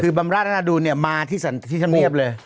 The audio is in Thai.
คือบำราชนาดูลมาที่ธรรมเนียบเลย